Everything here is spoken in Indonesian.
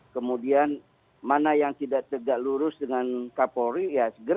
kemudian mana yang tidak tegak lurus dengan kapolri ya segera